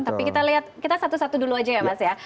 tapi kita lihat kita satu satu dulu aja ya mas ya